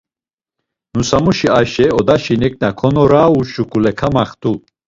Nusamuşi Ayşe, odaşi neǩna konorau şuǩule kamaxt̆u.